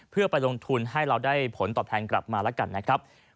เพื่อไปลงทุนให้เราได้ผลตอบแทนกลับมา